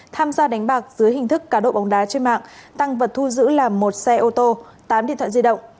tham gia đánh bạc dưới hình thức cá độ bóng đá trên mạng tăng vật thu giữ là một xe ô tô tám điện thoại di động